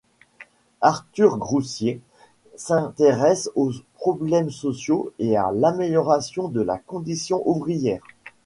Arthur Groussier s'intéresse aux problèmes sociaux et à l'amélioration de la condition ouvrière.